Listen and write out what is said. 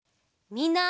みんな！